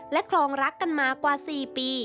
คลองรักกันมากว่า๔ปี